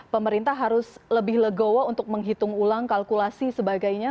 pemerintah harus lebih legowo untuk menghitung ulang kalkulasi sebagainya